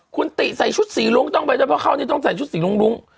คุณติใส่ชุดสีรุ้งต้องไปด้วยเพราะเขานี่ต้องใส่ชุดสีรุ้ง